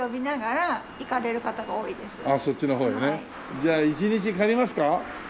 じゃあ１日借りますか？